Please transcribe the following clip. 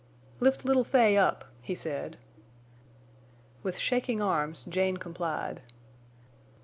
"Lift little Fay up," he said. With shaking arms Jane complied.